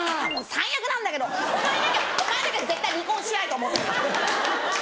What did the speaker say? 最悪なんだけどお前だけは絶対離婚しないと思ってた。